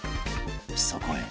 そこへ